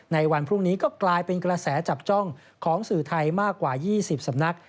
ในวันพรุ่งนี้ก็กลายเป็นกระแสจับจ้องของสื่อไทยมากกว่า๒๐สำนัก